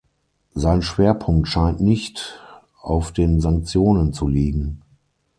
Sein Schwerpunkt scheint nicht auf den Sanktionen zu liegen.